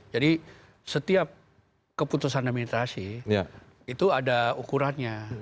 jadi setiap keputusan administrasi itu ada ukurannya